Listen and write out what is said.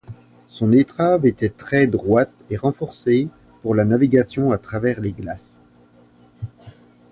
Son étrave était très droite et renforcée pour la navigation à travers les glaces.